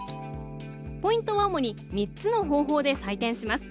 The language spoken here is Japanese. ポイントは主に３つの方法で採点します。